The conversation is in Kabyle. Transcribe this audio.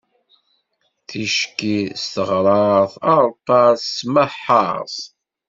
Tikci s teɣṛaṛt, areṭṭal s tmeḥḥaṛt.